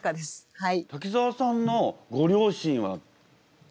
はい。